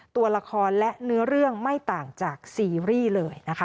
ตัวละครและเนื้อเรื่องไม่ต่างจากซีรีส์เลยนะคะ